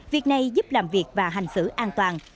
việc này giúp làm việc và hành xử an toàn